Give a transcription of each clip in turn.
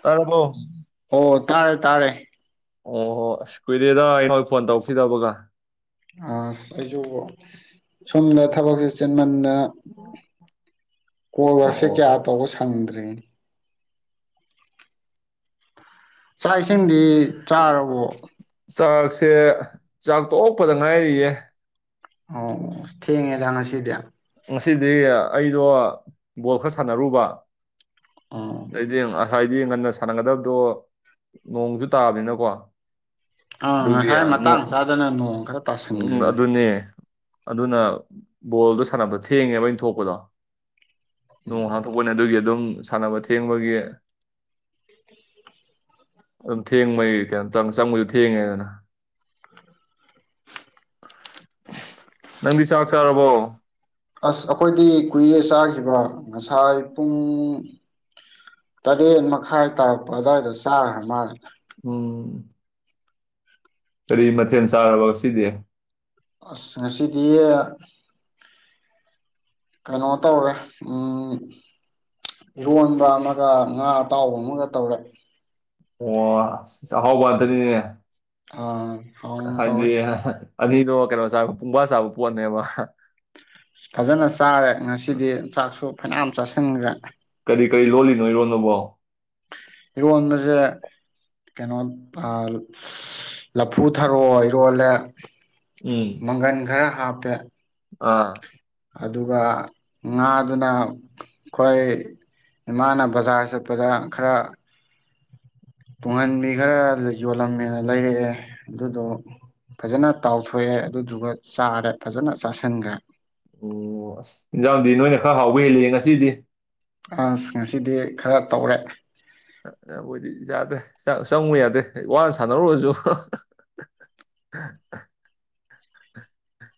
ꯇꯥꯔꯕꯣ ꯑꯣ ꯇꯥꯔꯦ - ꯇꯥꯔꯦ꯫ ꯑꯣꯍꯣ ꯑꯁ ꯀꯨꯏꯔꯦꯗ ꯑꯩꯉꫭꯟ ꯐꯣꯟ ꯇꯧꯔꯛꯈꯤꯗꯕꯒ! ꯑꯁ ꯑꯩꯁꯨ ꯁꯣꯝꯗ ꯊꯕꯛꯁꯦ ꯆꯤꯟꯃꯟꯗꯅ ꯀꯣꯜꯒꯥꯁꯦ ꯑꯣ ꯀꯌꯥ ꯇꯧꯕ ꯁꯪꯗ꯭ꯔꯦ꯫ [inaudible] ꯆꯥꯛ ꯏꯁꯤꯡꯗꯤ ꯆꯥꯔꯕꯣ? ꯆꯥꯛꯁꯦ ꯆꯥꯛꯇꯣꯛꯄꯗ ꯉꯥꯏꯔꯤꯌꯦ꯫ ꯑꯣ ꯊꯦꯡꯉꯦꯗ ꯉꯁꯤꯗꯤ꯫ ꯉꯁꯤꯗꯤ ꯑꯩꯗꯣ ꯕꯣꯜ ꯈꯔ ꯁꯥꯟꯅꯔꯨꯕ ꯑꯣ ꯑꯗꯩꯗꯤ ꯑ ꯉꯁꯥꯏꯗꯤ ꯉꯟꯅ ꯁꯥꯟꯅꯒꯗꯕꯗꯣ ꯅꯣꯡꯁꯨ ꯇꯥꯕꯅꯤꯅꯀꯣ ꯑꯥ ꯑꯗꯨꯒꯤ ꯉꯁꯥꯏ ꯃꯇꯥꯡ ꯆꯥꯗꯅ ꯅꯣꯡ ꯈꯔ ꯎꯝ ꯇꯁꯤꯟꯒ꯭ꯔꯦꯅꯦ꯫ ꯑꯗꯨꯅꯦ ꯑꯗꯨꯅ ꯕꯣꯜꯗꫭ ꯁ ꯁꯥꯟꯅꯕ ꯊꯦꯡꯉꯦꯕ ꯑꯩꯅ ꯊꯣꯛꯄꯗꯣ ꯅꯣꯡ ꯍꯥꯡꯊꯣꯛꯄꯅꯤ ꯑꯗꯨꯒꯤ ꯑꯗꯨꯝ ꯁꯥꯟꯅꯕ ꯊꯦꯡꯕꯒꯤ ꯑꯗꯨꯝ ꯊꯦꯡꯕꯒꯤ ꯀꯩꯅꯣ ꯇꯪ ꯆꯪꯕꯁꯨ ꯊꯦꯡꯉꯦꯗꯅ [inaudible] ꯅꯪꯗꯤ ꯆꯥꯛ ꯆꯥꯔꯕꯣ? ꯑꯁ ꯑꯩꯈꯣꯏꯗꯤ ꯀꯨꯏꯔꯦ ꯆꯥꯈꯤꯕ ꯉꯁꯥꯏ ꯄꯨꯡ ꯇꯔꯦꯠ ꯃꯈꯥꯏ ꯇꯥꯔꯛꯄ ꯑꯗꯨꯋꯥꯏꯗ ꯆꯥꯈ꯭ꯔ ꯃꯥꯜꯂꯦ꯫ ꯎꯝ꯫ ꯀꯔꯤ ꯃꯊꯦꯜ ꯆꯥꯔꯕ ꯉꯁꯤꯗꯤ? ꯑꯁ ꯉꯁꯤꯗꯤ ꯀꯩꯅꯣ ꯇꯧꯔꯦ ꯏꯔꯣꯟꯕ ꯑꯃꯒ ꯉꯥ ꯑꯇꯥꯎꯕ ꯑꯃꯒ ꯇꯧꯔꯦ ꯑꯣ ꯑꯥꯛꯍꯥꯎꯕꯗꯗꯤꯅꯦ ꯑꯥ ꯑꯥꯎ ꯇꯧꯔꯦ ꯑꯅꯤꯅꯣ ꯀꯩꯅꯣ ꯆꯥꯕ ꯄꯨꯡꯕꯥ ꯆꯥꯕ ꯄꯣꯠꯅꯦꯕ ꯐꯖꯅ ꯆꯥꯔꯦ ꯉꯁꯤꯗꯤ ꯆꯥꯛꯁꯨ ꯐꯅꯥ ꯆꯥꯁꯤꯟꯈ꯭ꯔꯦ ꯀꯩ ꯂꯣꯜꯂꯤꯅꯣ ꯏꯔꯣꯟꯗꯕꯣ ꯏꯔꯣꯟꯕꯁꯦ ꯀꯩꯅꯣ ꯂꯐꯨ ꯊꯔꯑꯣ ꯏꯔꯣꯜꯂꯦ ꯎꯝ ꯃꯪꯒꯟꯒ꯭ꯔ ꯍꯥꯞ ꯠꯇ ꯑꯥ ꯑꯗꯨꯒ ꯉꯥꯗꯨꯅ ꯑꯩꯈꯣꯏ ꯏꯃꯥꯅ ꯕꯖꯥꯔ ꯆꯠꯄꯗ ꯈꯔ ꯇꯨꯡꯍꯟꯕꯤ ꯈꯔ ꯌꯣꯜꯂꯝꯃꯦꯅ ꯂꯩꯔꯛꯑꯦ ꯑꯗꯨꯗꯣ ꯐꯖꯅ ꯇꯥꯎꯊꯣꯛꯑꯦ ꯑꯗꯨꯗꯨꯒ ꯆꯥꯔꯦ ꯐꯖꯅ ꯆꯥꯁꯤꯟꯈ꯭ꯔꯦ ꯑꯣ ꯑꯁ ꯏꯟꯖꯥꯡꯗꯤ ꯅꯣꯏꯅ ꯈꯔ ꯍꯥꯎꯕ ꯍꯦꯜꯂꯤ ꯉꯁꯤꯗꯤ ꯑꯟꯁ ꯉꯁꯤꯗꯤ ꯈꯔ ꯇꯧꯔꯦ ꯍꯣꯏꯗꯤ ꯌꯥꯗꯦ ꯆꯪꯉꯨ ꯌꯥꯗꯦ ꯋꯥꯅ ꯁꯥꯟꯅꯔꯨꯔꯁꯨ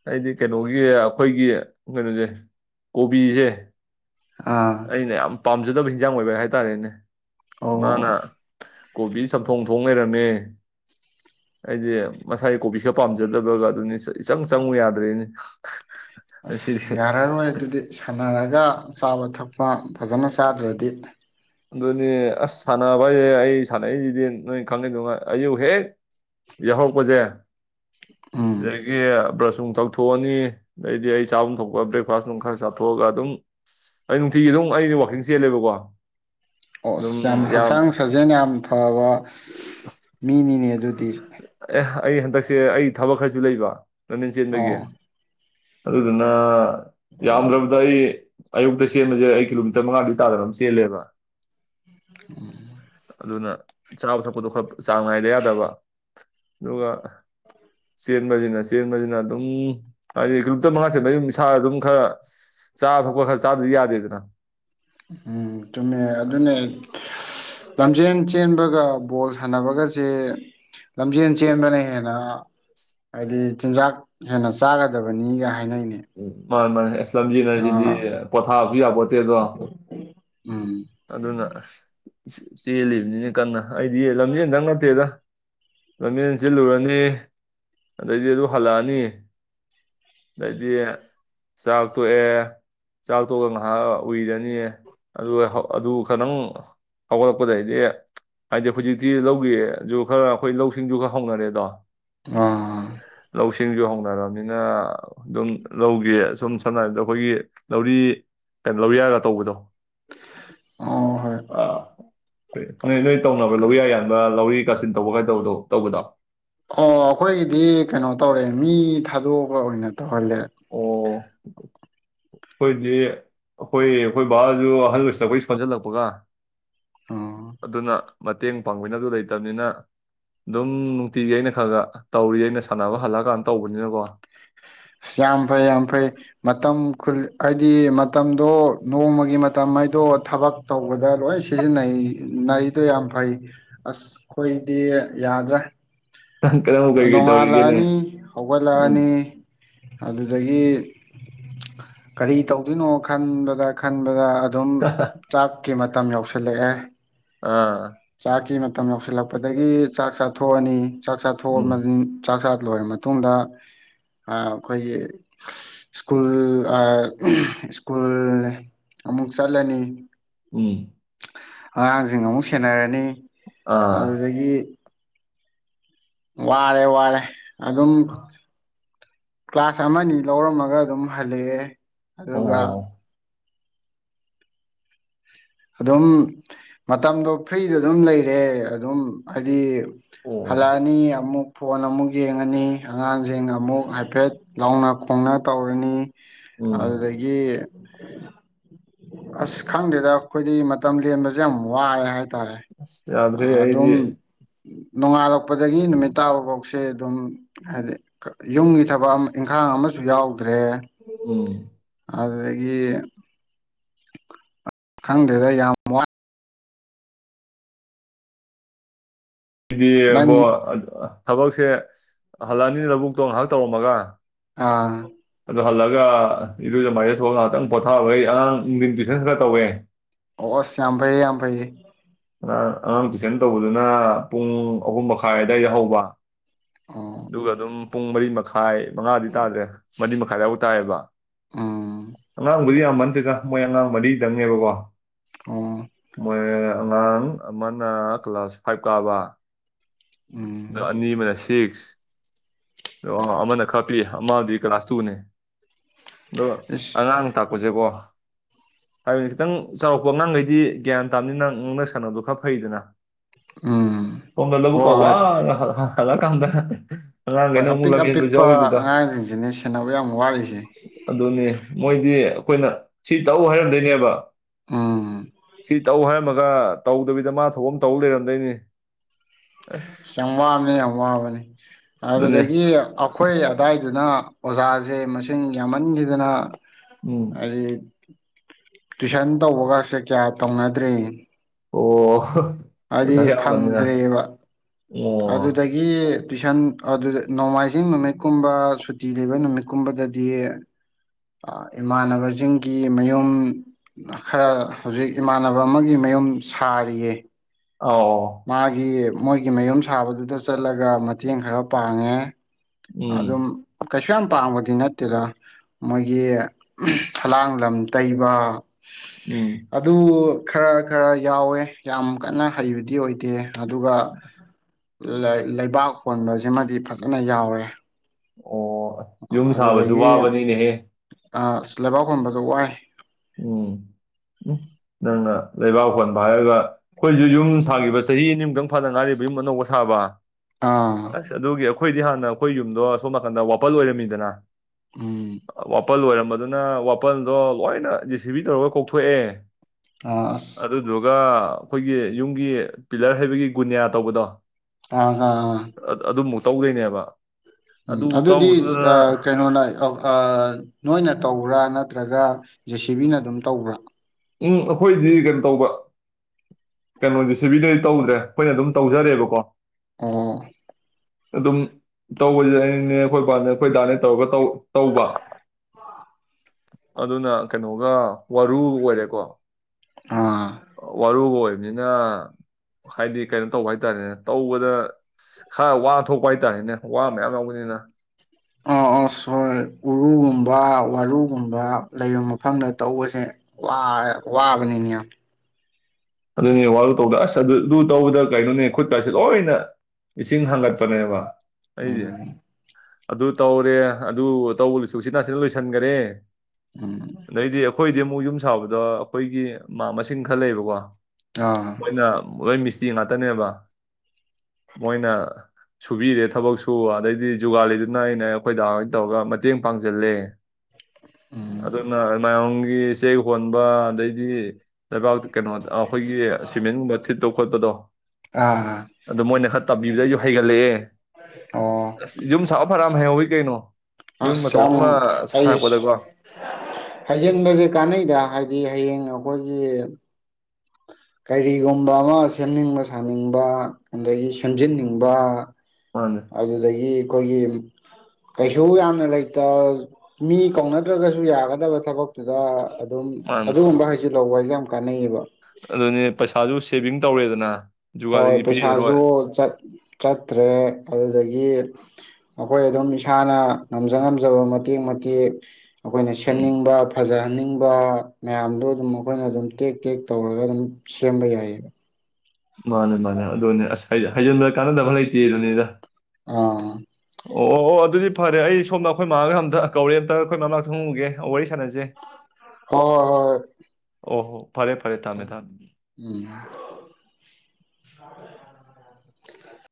ꯑꯩꯗꯤ ꯀꯩꯅꯣꯒꯤ ꯑꯩꯈꯣꯏꯒꯤ ꯀꯩꯅꯣꯁꯦ ꯀꯣꯕꯤꯁꯦ ꯑꯥ ꯑꯅꯦ ꯌꯥꯝ ꯄꯥꯝ ꯑꯗꯨꯖꯗꯝ ꯍꯤꯟꯖꯥꯡ ꯑꯣꯏꯕ ꯍꯥꯏꯇꯥꯔꯦꯅꯦ ꯑꯣ ꯃꯥꯅ ꯀꯣꯕꯤ ꯆꯝꯊꯣꯡ ꯊꯣꯡ ꯂꯩꯔꯝꯃꯦ ꯑꯩꯗꯤ ꯃꯁꯥꯏꯒꯤ ꯀꯣꯕꯤ ꯈꯔ ꯄꯥꯝꯖꯗꯕꯒ ꯑꯗꯨꯅꯤ ꯏꯆꯪ ꯆꯪꯉꯨ ꯌꯥꯗ꯭ꯔꯦꯅꯤ ꯑꯁ ꯌꯥꯔꯔꯣꯏ ꯑꯗꯨꯗꯤ ꯁꯥꯟꯅꯔꯒ ꯆꯥꯕ ꯊꯛꯄ ꯐꯖꯅ ꯆꯥꯗ꯭ꯔꯗꯤ ꯑꯗꯨꯣꯅꯤ ꯑꯁ ꯁꯥꯟꯕ ꯑꯩ ꯁꯥꯟꯅꯏꯁꯤꯗꯤ ꯅꯣꯏ ꯈꯪꯉꯤꯗꯉ ꯑꯌꯨꯛ ꯍꯦꯛ ꯌꯥꯎꯔꯛꯄꯁꯦ ꯎꯝ ꯑꯗꯒꯤ ꯕ꯭ꯔꯁꯨꯡ ꯊꯧ ꯁꯣꯅꯤ ꯑꯗꯩꯗꯤ ꯑꯩ ꯆꯥꯐꯝ ꯊꯣꯛꯄ ꯕ꯭ꯔꯦꯛꯐꯥꯁ ꯅꯨꯡ ꯈꯔ ꯆꯥꯊꯣꯛꯑꯒ ꯑꯗꯨꯝ ꯑꯩ ꯅꯨꯡꯇꯤꯒꯤ ꯑꯗꯨꯝ ꯑꯩꯗꯤ ꯋꯥꯀꯤꯡ ꯆꯦꯜꯂꯦꯕꯀꯣ ꯑꯣꯁ ꯌꯥꯝ ꯍꯛꯆꯥꯡ ꯁꯥꯖꯦꯟ ꯌꯥꯝ ꯐꯕ ꯃꯤꯅꯤꯅꯦ ꯇ ꯑꯦ ꯑꯩ ꯍꯟꯗꯛꯁꯦ ꯑꯩ ꯊꯕꯛ ꯈꯔꯁꯨ ꯂꯩꯕ ꯂꯝꯖꯦꯟ ꯆꯦꯟꯕꯒꯤ ꯑꯣ ꯑꯗꯨꯗꯨꯅ ꯌꯥꯝ ꯗꯔꯕꯗ ꯑꯩ ꯑꯌꯨꯛꯇ ꯆꯦꯟꯕꯁꯦ ꯑꯩ ꯀꯤꯂꯣꯃꯤꯇꯔ ꯃꯉꯥꯗꯤ ꯇꯥꯗꯅ ꯑꯃ ꯆꯦꯜꯂꯦꯕ ꯑꯗꯨꯅ ꯆꯥꯕ ꯊꯛꯄꯗꯣ ꯈꯔ ꯆꯥꯡ ꯅꯥꯏꯗ ꯌꯥꯗꯕ ꯑꯗꯨꯒ [inaudible] ꯆꯦꯟꯕꯖꯤꯅ ꯆꯦꯟꯕꯖꯤꯅ ꯑꯗꯨꯝ ꯍꯥꯏꯗꯤ ꯀꯤꯂꯣꯃꯤꯇꯔ ꯃꯉꯥ ꯆꯦꯟꯕ ꯍꯗꯤ ꯃꯗꯨꯝ ꯏꯁꯥ ꯑꯗꯨꯝ ꯈꯔ ꯆꯥꯕ ꯊꯛꯄ ꯈꯔ ꯆꯥꯕꯗꯤ ꯌꯥꯗꯦꯗꯅ ꯎꯝ ꯆꯨꯝꯃꯦ ꯑꯗꯨꯅꯦ ꯂꯝꯖꯦꯟ ꯆꯦꯟꯕꯒ ꯕꯣꯜ ꯁꯥꯟꯅꯕꯒꯁꯦ ꯂꯝꯖꯦꯟ ꯆꯦꯟꯕꯅ ꯍꯦꯟꯅ ꯍꯥꯏꯗꯤ ꯆꯤꯟꯖꯥꯛ ꯍꯦꯟꯅ ꯆꯥꯒꯗꯕꯅꯤꯒ ꯍꯥꯏꯅꯩꯅꯦ ꯃꯥꯅꯦ ꯃꯥꯅꯦ ꯆꯝꯖꯤꯟꯍꯥꯏꯁꯤꯗꯤ ꯑꯥ ꯄꯣꯊꯥꯕꯁꯨ ꯌꯥꯄꯣꯠꯇꯦ ꯗꯣ ꯎꯝ ꯑꯗꯨꯅ ꯑꯁ ꯆꯦꯜꯂꯤꯕꯅꯤꯅ ꯀꯟꯅ ꯑꯩꯗꯤ ꯂꯝꯖꯦꯟꯗꯪ ꯅꯠꯇꯦꯗ ꯂꯝꯖꯦꯟ ꯆꯦꯜꯂꯨꯔꯅꯤ ꯑꯗꯩꯗꯤ ꯑꯗꯨ ꯍꯜꯂꯛꯑꯅꯤ ꯍꯥꯏꯗꯤ ꯆꯥꯛ ꯇꯣꯛꯑꯦ ꯆꯥꯛ ꯇꯣꯛꯑꯒ ꯉꯥꯍꯥꯛ ꯎꯏꯔꯅꯤ ꯑꯗꯨꯒ ꯑꯗꯨ ꯈꯇꯪ ꯍꯧꯒꯠꯂꯛꯄꯗꯩꯗꯤ ꯍꯥꯏꯗꯤ ꯍꯧꯖꯤꯛꯇꯤ ꯂꯧꯒꯤꯁꯖꯨ ꯈꯔ ꯑꯩꯈꯣꯏ ꯂꯧꯁꯤꯡꯗꯨ ꯈꯔ ꯍꯧꯅꯔꯦꯗꯣ ꯑꯥ ꯆꯤꯡꯖꯨ ꯍꯧꯅꯔꯝꯅꯤꯅ ꯑꯗꯨꯝ ꯂꯧꯒꯤ ꯁꯨꯝ ꯁꯝꯅ ꯍꯥꯏꯔꯕꯗ ꯑꯩꯈꯣꯏꯒꯤ ꯂꯧꯔꯤ ꯀꯩꯅꯣ ꯂꯧꯔꯤꯌꯥꯒ ꯇꯧꯕꯗꯣ ꯑ ꯍꯣꯏ ꯑ ꯅꯣꯏ ꯇꯧꯅꯕꯔ ꯂꯧꯔꯤꯌꯥ ꯌꯥꯟꯕ ꯂꯧꯔꯤ ꯀꯥꯆꯤꯟ ꯇꯧꯕ ꯀꯥꯏ ꯇꯧꯕꯗꯣ ꯇꯧꯕꯗꯣ ꯑꯣ ꯑꯩꯈꯣꯏꯒꯤꯗꯤ ꯀꯩꯅꯣ ꯇꯧꯔꯦ ꯃꯤ ꯊꯥꯗꯣꯛꯑꯒ ꯑꯣꯏꯅ ꯇꯧꯍꯜꯂꯦ ꯑꯣ ꯑꯩꯈꯣꯏꯗꯤ ꯑꯩꯈꯣꯏ ꯑꯩꯈꯣꯏ ꯕꯥꯖꯨ ꯑꯍꯜ ꯑꯣꯏꯁꯤꯜꯂꯛꯄꯒꯤ ꯁꯣꯟꯖꯜꯂꯛꯄꯒ ꯑꯣ ꯑꯗꯨꯅ ꯃꯇꯦꯡ ꯄꯥꯡꯕꯤꯅꯗꯨ ꯂꯩꯇꯕꯅꯤꯅ ꯑꯗꯨꯝ ꯅꯨꯡꯇꯤꯒꯤ ꯑꯩꯅ ꯈꯔ ꯒ ꯇꯧꯔꯤ ꯑꯩꯅ ꯁꯥꯟꯅꯕ ꯍꯜꯂꯛꯑꯀꯥꯟꯗ ꯇꯧꯕꯅꯤꯅꯀꯣ꯫ ꯑꯁ ꯌꯥꯝ ꯐꯩ ꯌꯥꯝ ꯐꯩ ꯃꯇꯝ ꯍꯥꯏꯗꯤ ꯃꯇꯝꯗꯣ ꯅꯣꯡꯃꯒꯤ ꯃꯇꯝ ꯑꯥꯏꯗꯣ ꯊꯕꯛ ꯇꯧꯕꯗ ꯂꯣꯏ ꯁꯤꯖꯤꯟꯅꯩ ꯅꯩꯗꯣ ꯌꯥꯝ ꯐꯩ ꯑꯁ ꯈꯣꯏꯗꯤ ꯌꯥꯗ꯭ꯔꯦ꯫ ꯅꯪ ꯀꯔꯝ ꯀꯩꯀꯩ ꯇꯧꯔꯤꯒꯦꯅꯦ ꯅꯣꯡꯉꯥꯜꯂꯛꯑꯅꯤ ꯎꯝ ꯍꯧꯒꯠꯂꯛꯑꯅꯤ ꯑꯗꯨꯗꯒꯤ ꯀꯔꯤ ꯇꯧꯗꯣꯏꯅꯣ ꯈꯟꯕꯗ ꯈꯟꯕꯗ ꯑꯗꯨꯝ ꯆꯥꯛꯀꯤ ꯃꯇꯝ ꯌꯧꯁꯤꯜꯂꯛꯑꯦ ꯑꯥ ꯆꯥꯛꯀꯤ ꯃ ꯃꯇꯝ ꯌꯧꯁꯤꯜꯂꯛꯄꯗꯒꯤ ꯆꯥꯛ ꯆꯥꯊꯣꯛꯑꯅꯤ ꯆꯥꯛ ꯆꯥ ꯎꯝ ꯊꯣꯡꯑꯕꯅꯤ ꯆꯥꯛ ꯆꯥ ꯂꯣꯏꯔ ꯃꯇꯨꯡꯗ ꯑ ꯑꯩꯈꯣꯏꯒꯤ ꯁ꯭ꯀꯨꯜ ꯑ ꯑꯝ ꯁ꯭ꯀꯨꯜ ꯑꯃꯨꯛ ꯆꯠꯂꯅꯤ ꯎꯝ ꯑꯉꯥꯛꯖꯤꯡ ꯑꯃꯨꯛ ꯁꯤ ꯁꯦꯟꯅꯔꯅꯤ ꯑꯥ ꯑꯗꯨꯗꯒꯤ ꯋꯥꯔꯦ ꯋꯥꯔꯦ ꯑꯗꯨꯝ ꯀ꯭ꯂꯥꯁ ꯑꯃꯅꯤ ꯂꯧꯔꯝꯃꯒ ꯑꯗꯨꯝ ꯍꯜꯂꯛꯑꯦ ꯑꯣ ꯑꯗꯨꯒ ꯑꯗꯨꯝ ꯃꯇꯝꯗꯣ ꯐ꯭ꯔꯤꯗ ꯑꯗꯨꯝ ꯂꯩꯔꯦ ꯑꯗꯨꯝ ꯍꯥꯏꯗꯤ ꯑꯣ ꯍꯜꯂꯛ ꯑꯅꯤ ꯑꯃꯨꯛ ꯐꯣꯟ ꯑꯃꯨꯛ ꯌꯦꯡꯉꯅꯤ ꯑꯉꯥꯡꯖꯤꯡ ꯑꯃꯨꯛ ꯍꯥꯏꯐꯦꯠ ꯂꯥꯎꯅ ꯈꯣꯡꯅ ꯇꯧꯔꯅꯤ ꯎꯝ ꯑꯗꯨꯗꯒꯤ [unintelligible] ꯑꯁ ꯈꯪꯗꯦꯗ ꯑꯩꯈꯣꯏꯗꯤ ꯃꯇꯝ ꯂꯦꯟꯕꯖꯦ ꯌꯥꯝ ꯋꯥꯔꯦ ꯍꯥꯏ ꯑꯁ ꯌꯥꯗꯔꯦ ꯑꯩꯏꯗꯤ ꯅꯣꯡꯉꯥꯜꯂꯛꯄꯗꯒꯤ ꯅꯨꯃꯤꯠ ꯇꯥꯕ ꯕꯨꯛꯁꯦ ꯑꯗꯨꯝ ꯍꯥꯏꯗꯤ ꯌꯨꯝꯒꯤ ꯊꯕꯛ ꯑꯃ ꯏꯪꯈꯥꯡ ꯑꯃꯁꯨ ꯌꯥꯎ [inaudible] ꯎꯝ ꯑꯗꯨꯗꯒꯤ [inaudible] ꯈꯪꯗꯗꯦ ꯌꯥꯝ ꯋꯥꯏ ꯁꯤꯗꯤꯕꯣ ꯅꯪ ꯑꯗꯨ ꯑꯥ ꯊꯕꯛꯁꯦ ꯍꯜꯂꯛꯑꯅꯤ ꯂꯥꯕꯨꯛ ꯗꯣ ꯉꯥꯏꯍꯥꯛ ꯇꯧꯔꯝꯃꯒ ꯑꯥ ꯑꯗꯣ ꯍꯜꯂꯒ ꯏꯔꯨꯖ ꯃꯥꯏꯖꯥꯊꫭꯛꯑꯒꯥ ꯉꯥꯇꯪ ꯄꯣꯊꯥꯕꯈꯩ ꯑꯩ ꯑꯉꯥꯡ ꯅꯨꯡꯊꯤꯟ ꯇ꯭ꯋꯏꯁꯟ ꯈꯔ ꯇꯧꯋꯦ ꯑꯣ ꯑꯁ ꯌꯥꯝ ꯐꯩꯌꯦ ꯌꯥꯝ ꯐꯩꯌꯦ ꯑ ꯑꯉꯥꯡ ꯇꯨꯏꯁꯟ ꯇꯧꯕꯗꯨꯅ ꯄꯨꯡ ꯑꯍꯨꯝ ꯃꯈꯥꯏ ꯑꯗꯤꯏꯗꯍꯧꯕ ꯑꯣ ꯑꯗꯨꯒ ꯑꯗꯨꯝ ꯄꯨꯡ ꯃꯔꯤ ꯃꯈꯥꯏ ꯃꯉꯥꯗꯤ ꯇꯥꯗꯔꯦ ꯐꯔꯕꯨ ꯇꯥꯏꯕ ꯎꯝ ꯑꯉꯥꯛꯕꯨꯗꯤ ꯌꯥꯝ ꯅꯠꯇꯦꯗ ꯃꯣꯏ ꯑꯉꯥꯡ ꯃꯔꯤꯗꯪꯅꯦꯕꯀꯣ ꯑꯣ ꯃꯣꯏ ꯑꯉꯥꯡ ꯑꯃꯅ ꯀ꯭ꯂꯥꯁ ꯐꯥꯏꯚ ꯀꯥꯕ ꯑꯗꯦ ꯎꯝ ꯑꯅꯤ ꯑꯃꯅ ꯁꯤꯛꯁ [inaudible] ꯑꯗꫭ ꯑꯃꯅ ꯈꯔ ꯄꯤ ꯑꯃꯕꯨꯗꯤ ꯀ꯭ꯂꯥꯁ ꯇꯨꯅꯦ ꯑꯗꯣ ꯏꯁ ꯑꯉꯥꯡ ꯇꯥꯛꯄꯖꯦꯀꫭ ꯍꯥꯏꯕ ꯈꯤꯇꯪ ꯆꯥꯎꯔꯛꯄ ꯑꯉꯥꯡꯈꯩꯗꯤ ꯒ꯭ꯌꯥꯟ ꯇꯥꯕꯅꯤꯅ ꯉꯥꯡꯅ ꯁꯥꯟꯅꯕꯗꯣ ꯈꯔ ꯐꯩꯗꯅ ꯎꯝ ꯁꫭꯝꯗ ꯍꯣꯏ ꯂꯕꯨꯛꯀꯥ ꯍꯣꯏ ꯋꯥꯅ [unintelligible] ꯍꯜꯂꯣ ꯀꯝꯗ ꯍ ꯍ ꯍꯣꯏ ꯑꯄꯤꯛ ꯑꯄꯤꯛꯄ ꯑꯉꯥꯡꯖꯤꯡꯖꯤꯅꯦ ꯁꯦꯟꯅꯕ ꯌꯥꯝ ꯋꯥꯔꯤꯖꯦ ꯑꯈꯣꯏꯅ ꯁꯤ ꯇꯧ ꯍꯥꯏꯔꯝꯗꯣꯏꯅꯦꯕ ꯎꯝ ꯁꯤ ꯇꯧ ꯍꯥꯏꯔꯝꯃꯒ ꯇꯧꯗꯕꯤꯗ ꯃꯥ ꯊꯣꯛꯄꯝ ꯇꯧ ꯂꯩꯔꯝꯗꯣꯏꯅꯤ ꯑꯁ ꯋꯥꯕꯅꯦ ꯌꯥꯝ ꯋꯥꯕꯅꯦ ꯑꯗꯨꯅꯦ ꯑꯗꯨꯗꯒꯤ ꯑꯈꯣꯏ ꯑꯗꯥꯏꯗꯨꯅ ꯅ ꯑꯣꯖꯥꯖꯦ ꯃꯁꯤꯡ ꯌꯥꯝꯃꯟꯒꯤꯗꯅ ꯎꯝ ꯍꯥꯏꯗꯤ ꯇꯨꯏꯁꯟ ꯇꯧꯕꯒꯁꯦ ꯀꯌꯥ ꯇꯧꯅꯗ꯭ꯔꯦ ꯑꯣ ꯍꯥꯏꯗꯤ ꯑꯣꯖꯥ ꯌꯥꯝꯕꯅꯤꯅ ꯐꯪꯗ꯭ꯔꯦꯕ ꯑꯣ ꯑꯗꯨꯗꯒꯤ ꯇꯨꯏꯁꯟ ꯑꯗꯨꯗ ꯅꯣꯡꯃꯥꯏꯖꯤꯡ ꯅꯨꯃꯤꯠꯀꯨꯝꯕ ꯁꯨꯇꯤ ꯂꯩꯕ ꯅꯨꯃꯤꯠꯀꯨꯝꯕꯗꯗꯤ ꯑ ꯏꯃꯥꯟꯅꯕꯖꯤꯡꯒꯤ ꯃꯌꯨꯝ ꯑ ꯈꯔ ꯍꯧꯖꯤꯛ ꯏꯃꯥꯟꯅꯕ ꯑꯃꯒꯤ ꯃꯌꯨꯝ ꯁꯥꯔꯤꯌꯦ ꯑꯧ ꯃꯥꯒꯤ ꯃꯣꯏꯒꯤ ꯃꯌꯨꯝ ꯁꯥꯕꯗꯨꯗ ꯆꯠꯂꯒ ꯃꯇꯦꯡ ꯈꯔ ꯄꯥꯡꯉꯦ ꯎꯝ ꯑꯗꯨꯝ ꯀꯩꯁꯨ ꯌꯥꯝ ꯄꯥꯡꯕꯗꯤ ꯅꯠꯇꯦꯗ ꯃꯣꯏꯒꯤ ꯎꯝꯍ ꯐꯥꯂꯥꯡ ꯂꯝ ꯇꯩꯕ ꯎꯝ ꯑꯗꯨ ꯈꯔ ꯈꯔ ꯌꯥꯎꯌꯦ ꯌꯥꯝ ꯀꯟꯅ ꯍꯩꯕ ꯗꯤ ꯑꯣꯏꯗꯦ ꯑꯗꯨꯒ ꯂꯩ ꯂꯩꯕꯥꯛ ꯍꯣꯟꯕꯁꯤꯃꯗꯤ ꯐꯖꯅ ꯌꯥꯎꯔꯦ ꯑꯣ ꯑꯁ ꯌꯨꯝ ꯁꯥꯕꯁꯨ ꯑꯗꯨꯗꯒꯤ ꯋꯥꯕꯅꯤꯅꯦꯍꯦ ꯑ ꯂꯩꯕꯥꯛ ꯍꯣꯟꯕꯗꯣ ꯋꯥꯏ ꯎꯝ ꯎꯍ ꯅꯪꯅ ꯂꯩꯕꯥꯛ ꯍꯣꯟꯕ ꯍꯥꯏꯔꯒ ꯈꯣꯏꯁꯨ ꯌꯨꯝ ꯁꯥꯒꯤꯕ ꯆꯍꯤ ꯑꯅꯤꯃꯨꯛꯇꯪ ꯐꯗ ꯉꯥꯏꯔꯤꯕ ꯌꯨꯝ ꯑꯅꯧꯕ ꯁꯥꯕ ꯑꯥ ꯑꯁ ꯑꯗꯨꯒꯤ ꯑ ꯈꯣꯏꯗꯤ ꯍꯥꯟꯅ ꯑꯈꯣꯏ ꯌꯨꯝꯗꯣ ꯁꯣꯝ ꯅꯥꯀꯟꯗ ꯋꯥꯄꯜ ꯑꯣꯏꯔꯝꯃꯤꯗꯅ ꯎꯝ ꯑ ꯋꯥꯄꯜ ꯑꯣꯏꯔꯝ ꯃꯗꯨꯅ ꯋꯥꯄꯜꯗꯣ ꯂꯣꯏꯅ ꯖꯤ ꯁꯤ ꯕꯤ ꯇꯧꯔꯒ ꯀꯣꯛꯊꯣꯛꯑꯦ ꯑ, ꯑꯁ ꯑꯗꯨꯗꯨꯒ ꯑꯈꯣꯏꯒꯤ ꯌꯨꯝꯒꯤ ꯄꯤꯂꯔ ꯍꯩꯕꯒꯤ ꯒꯨꯅꯤꯌꯥ ꯇꯧꯕꯗꯣ ꯀꯅꯥ ꯀꯅꯥꯅꯣ ꯑꯗꯨꯃꯨꯛ ꯇꯧꯗꯣꯏꯅꯦꯕ ꯎꯝ ꯑꯗꯨ ꯑꯗꯨꯗꯤ ꯇꯧꯕꯗꯨꯗꯅ ꯀꯩꯅꯣꯅ ꯅꯣꯏꯅ ꯇꯧꯕ꯭ꯔꯥ ꯅꯠꯇ꯭ꯔꯒ ꯖꯦ ꯁꯤꯕꯤꯅ ꯑꯗꯨꯝ ꯇꯧꯕ꯭ꯔꯥ ꯎꯝ ꯑꯩꯈꯣꯏꯁꯤ ꯀꯩꯅꯣ ꯇꯧꯕ ꯀꯩꯅꯣꯁ ꯖꯦꯁꯤꯕꯤꯅꯗꯤ ꯇꯧꯗ꯭ꯔꯦ ꯑꯩꯈꯣꯏꯅ ꯑꯗꯨꯝ ꯇꯧꯖꯔꯦꯕꯀꯣ ꯑꯥ ꯑꯗꯨꯝ ꯇꯧꯕꯁꯦ ꯑꯩꯅꯦ ꯑꯩꯈꯣꯏ ꯕꯥꯅꯦ ꯑꯩꯈꯣꯏ ꯗꯥꯅꯦ ꯇꯧꯔꯒ ꯇꯧ ꯇꯧꯕ ꯑꯗꯨꯅ ꯀꯩꯅꯣꯒ ꯋꯥꯔꯨꯒ ꯑꯣꯏꯔꯦ ꯀꯣ ꯑꯥ ꯋꯥꯔꯨꯒ ꯑꯣꯏꯔꯦ ꯅꯤꯅ ꯍꯥꯏꯗꯤ ꯀꯩꯅꯣ ꯇꯧꯕ ꯍꯥꯏꯇꯥꯔꯦꯅꯦ ꯇꯧꯕꯗ ꯈꯔ ꯋꯥꯅ ꯊꯣꯛꯄ ꯍꯥꯏꯇꯥꯔꯦꯅꯦ ꯋꯥ ꯃꯌꯥꯝ ꯌꯥꯎꯕꯅꯤꯅ ꯑ ꯑ ꯁꯣꯏ ꯎꯔꯨ ꯒꯨꯝꯕ ꯋꯥꯔꯨꯒꯨꯝꯕ ꯂꯩꯕ ꯃꯐꯝꯗ ꯇꯧꯕꯁꯦ ꯋꯥꯏ ꯋꯥꯕꯅꯤꯅꯦ ꯑꯗꯨꯅꯦ ꯋꯥ ꯇꯧꯗ ꯑꯁ ꯑꯗꯨ ꯑꯗꯨ ꯇꯧꯕꯗ ꯀꯩꯅꯣꯅꯦ ꯈꯨꯠꯀꯁꯦ ꯂꯣꯏꯅ ꯏꯁꯤꯡ ꯍꯥꯡꯒꯠꯄꯅꯦꯕ ꯑꯩꯗꯤ ꯎꯝ ꯑꯗꯨ ꯇꯧꯔꯦ ꯑꯗꯨ ꯇꯧꯕꯁꯨ ꯎꯆꯤꯟ ꯅꯥꯆꯤꯟꯅ ꯂꯣꯏꯁꯟꯈꯔꯦ ꯎꯝ ꯑꯩꯈꯣꯏꯗꯤ ꯑꯃꯨꯛ ꯌꯨꯝ ꯁꯥꯕꯗ ꯑꯩꯈꯣꯏꯒꯤ ꯃꯥꯝꯃꯁꯤꯡ ꯈꯔ ꯂꯩꯕꯀꯣ ꯑꯥ ꯃꯣꯏꯅꯣꯅ ꯃꯤꯁꯇꯤ ꯇꯤ ꯉꯥꯛꯇꯅꯦꯕ ꯃꯣꯏꯅ ꯁꯨꯕꯤꯔꯦ ꯊꯕꯛꯁꯨ ꯑꯗꯩꯗꯤ ꯖꯨꯒꯥꯂꯤꯗꯨꯅ ꯑꯩꯅ ꯑꯩꯈꯣꯏꯗꯥꯍꯣꯏ ꯇꯧꯔꯒ ꯃꯇꯦꯡ ꯄꯥꯡꯁꯤꯜꯂꯦ ꯎꯝ ꯑꯗꯨꯅ ꯆꯦꯛ ꯍꯣꯟꯕ ꯑꯗꯩꯗꯤ ꯂꯩꯕꯥꯛ ꯀꯩꯅꯣ ꯑꯩꯈꯣꯏꯒꯤ ꯁꯤꯃꯦꯟꯒꯨꯝꯕ ꯊꯤꯠꯄ ꯈꯣꯠꯄ ꯈꯣꯠꯄꯗꯣ ꯑꯥ ꯑꯗꯣ ꯃꯣꯏꯅ ꯈꯔ ꯇꯝꯕꯤꯕꯗ ꯑꯩꯁꯨ ꯍꯩꯒꯠꯂꯛꯑꯦ ꯑꯣ ꯑꯁ ꯌꯨꯝ ꯁꯥꯕ ꯐꯅꯌꯥꯝ ꯍꯩꯍꯧꯋꯤ ꯀꯩꯅꯣ ꯌꯨꯝ ꯑꯁ ꯑꯆꯧꯕ ꯌꯥꯝ ꯑꯃ ꯑꯩ ꯁꯥꯔꯛꯄꯗꯀꯣ ꯍꯥꯏꯖꯤꯟꯕꯁꯦ ꯀꯥꯟꯅꯩꯗ ꯍꯥꯏ ꯍꯌꯦꯡ ꯑꯩꯈꯣꯏꯒꯤ ꯀꯔꯤꯒꯨꯝꯕ ꯑꯃ ꯁꯦꯝꯅꯤꯡꯕ ꯁꯥꯅꯤꯡꯕ ꯑꯗꯒꯤ ꯁꯦꯝꯖꯤꯟꯅꯤꯡꯕ ꯃꯥꯅꯦ ꯑꯗꯨꯗꯒꯤ ꯑꯩꯈꯣꯏꯒꯤ ꯀꯩꯁꯨ ꯌꯥꯝꯅ ꯂꯩꯇ ꯃꯤ ꯀꯧꯅꯗ꯭ꯔꯒꯁꯨ ꯌꯥꯒꯗꯕ ꯊꯕꯛꯇꯨꯗ ꯑꯗꯨꯝ ꯃꯥꯅꯦ ꯑꯗꯨꯝꯕ ꯍꯩꯖꯟ ꯍꯩꯍꯧꯕ ꯍꯥꯏꯁꯦ ꯌꯥꯝ ꯀꯥꯟꯅꯩꯌꯦꯕ ꯑꯗꯨꯅꯦ ꯄꯩꯁꯥꯁꯨ ꯁꯦꯚꯤꯡ ꯇꯧꯔꯦꯗꯅ ꯍꯣꯏ ꯖꯨꯒꯥꯂꯤꯒꯤ ꯄꯩꯁꯥꯁꯨ ꯄꯤꯔꯔꯣꯏ ꯆꯠ ꯆꯠꯇ꯭ꯔꯦ ꯑꯗꯨꯗꯒꯤ ꯑꯈꯣꯏ ꯑꯗꯨꯝ ꯏꯁꯥꯅ ꯉꯝꯖ ꯉꯝꯖꯕ ꯃꯇꯦꯛ ꯃꯇꯦꯛ ꯑꯩꯈꯣꯏꯅ ꯎꯝ ꯁꯦꯝꯅꯤꯡꯕ ꯐꯖꯍꯟꯅꯤꯡ ꯕ ꯃꯌꯥꯝꯗꯣ ꯑꯗꯨꯝ ꯑꯩꯈꯣꯏꯅ ꯑꯗꯨꯝ ꯇꯦꯛ ꯇꯦꯛ ꯇꯧꯔꯒ ꯑꯗꯨꯝ ꯁꯦꯝꯕ ꯌꯥꯏꯑꯕ ꯃꯥꯅꯦ ꯃꯥꯅꯦ ꯑꯗꯨꯅꯤ ꯑꯥꯁ ꯍꯩ ꯍꯩꯖꯤꯟꯕꯗ ꯀꯥꯟꯅꯗꯕ ꯂꯩꯇꯦ ꯗꯨꯅꯦꯗ ꯑꯥ ꯑꯣ ꯑꯣ ꯑꯗꯨꯗꯤ ꯐꯔꯦ ꯑꯩ ꯁꯣꯝꯗ ꯑꯩꯈꯣꯏ ꯃꯥꯒ ꯑꯝꯇ ꯀꯧꯔꯦ ꯑꯝꯇ ꯑꯩꯈꯣꯏ ꯃꯥ ꯃꯅꯥꯛꯇ ꯆꯪꯉꯨꯒꯦ ꯋꯥꯔꯤ ꯁꯥꯅꯁꯦ ꯑꯣ ꯍꯣ ꯐꯔꯦ ꯐꯔꯦ ꯊꯝꯃꯦ ꯊꯝ ꯊꯝꯃꯦ ꯎꯨꯝ [inaudible]